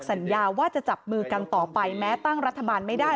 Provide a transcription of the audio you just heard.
สัญญาว่าจะจับมือกันต่อไปแม้ตั้งรัฐบาลไม่ได้